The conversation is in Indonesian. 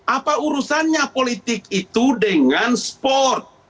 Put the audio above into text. apa urusannya politik itu dengan sport